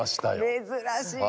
え珍しい！